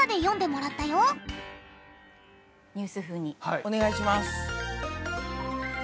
お願いします。